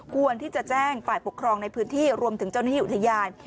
ควรที่จะแจ้งฝ่ายปกครองในพื้นที่รวมถึงเจ้าหน้าที่อุทยาน